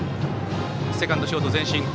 セカンド、ショート、前進。